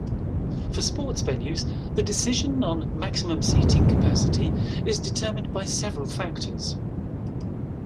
For sports venues, the decision on maximum seating capacity is determined by several factors.